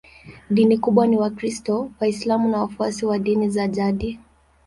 Dini kubwa ni Wakristo, Waislamu na wafuasi wa dini za jadi.